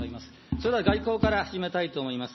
それでは外交から始めたいと思います。